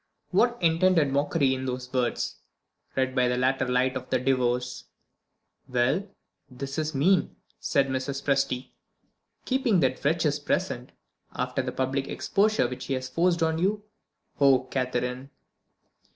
What unintended mockery in those words, read by the later light of the Divorce! "Well, this is mean," said Mrs. Presty. "Keeping that wretch's present, after the public exposure which he has forced on you. Oh, Catherine!"